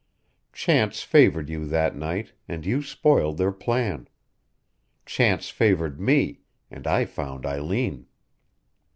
Chance favored you that night, and you spoiled their plan. Chance favored me, and I found Eileen.